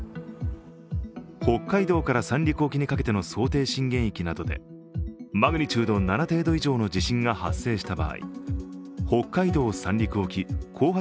北海道や三陸沖にかけての想定震源域などでマグニチュード７程度以上の地震が発生した場合、北海道・三陸沖後発